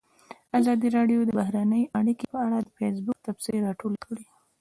ازادي راډیو د بهرنۍ اړیکې په اړه د فیسبوک تبصرې راټولې کړي.